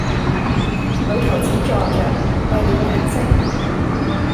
老頭子坐着，閉了眼睛，